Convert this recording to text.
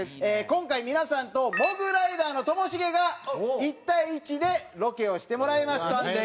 今回皆さんとモグライダーのともしげが１対１でロケをしてもらいましたので。